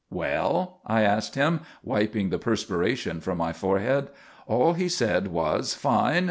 "Well?" I asked him, wiping the perspiration from my forehead. All he said was "Fine!